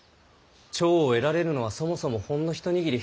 寵を得られるのはそもそもほんの一握り。